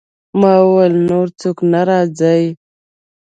ما وویل: نور څوک نه راځي؟